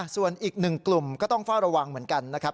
ส่วนอีกหนึ่งกลุ่มก็ต้องเฝ้าระวังเหมือนกันนะครับ